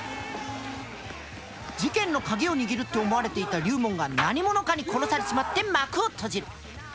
事件の鍵を握るって思われていた龍門が何者かに殺されちまって幕を閉じる。